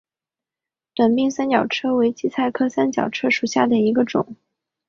短柄三角车为堇菜科三角车属下的一个种。